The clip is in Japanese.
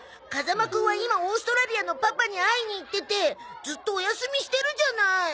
風間くんは今オーストラリアのパパに会いに行っててずっとお休みしてるじゃない。